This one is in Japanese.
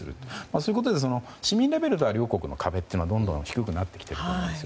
そういうことで市民レベルでは両国の壁はどんどん低くなっていると思います。